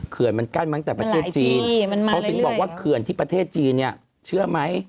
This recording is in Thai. เขื่อนมันกั้นมาตั้งแต่ประเทศจีนเขาถึงบอกว่าเขื่อนที่ประเทศจีนเนี่ยเชื่อไหม